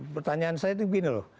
pertanyaan saya itu begini loh